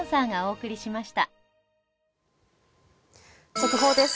速報です。